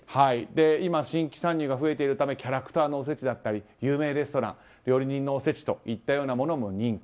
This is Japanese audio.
今、新規参入が増えているためキャラクターのおせちであったり有名レストラン料理人のおせちというのも人気。